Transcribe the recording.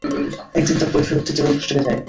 একদিন তার বই ফেরত দিতে ওর হোস্টেলে যাই।